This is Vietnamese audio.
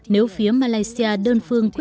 nếu phía malaysia đơn phương